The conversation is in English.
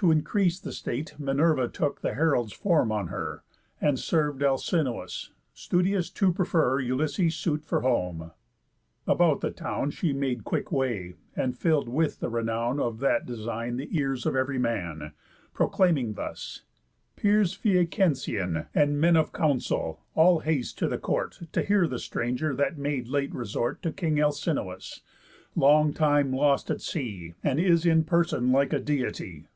To increase the state, Minerva took the herald's form on her, That serv'd Alcinous, studious to prefer Ulysses' suit for home. About the town She made quick way, and fill'd with the renown Of that design the ears of ev'ry man, Proclaiming thus: "Peers Phæacensian! And Men of Council, all haste to the court, To hear the stranger that made late resort To King Alcinous, long time lost at sea, And is in person like a Deity."